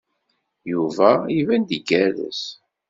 Yuba iban-d igerrez.